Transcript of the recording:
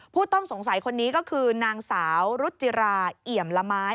ผู้ต้องสงสัยคนนี้ก็คือนางสาวรุจิราเอี่ยมละไม้